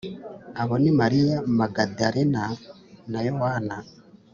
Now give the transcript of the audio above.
Abo ni Mariya Magadalena na Yowana